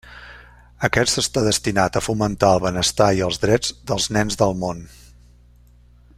Aquest està destinat a fomentar el benestar i els drets dels nens del món.